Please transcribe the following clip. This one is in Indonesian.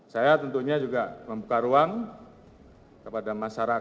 saya tentunya juga membuka ruang kepada masyarakat